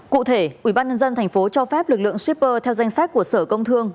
cụ thể ubnd tp cho phép lực lượng shipper theo danh sách của sở công thương